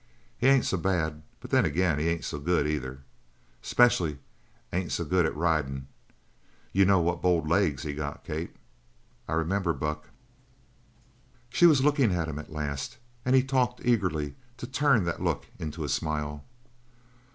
He ain't so bad, but then he ain't so good, either. Specially, he ain't so good at ridin' you know what bowed legs he's got, Kate?" "I remember, Buck." She was looking at him, at last, and he talked eagerly to turn that look into a smile.